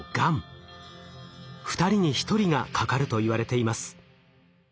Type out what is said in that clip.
２人に１人がかかるといわれています。